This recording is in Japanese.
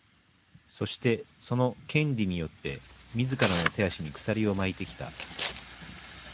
そして、その「権利」によって自らの手足に鎖を巻いてきた。